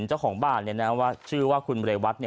เจ้าของบ้านเนี่ย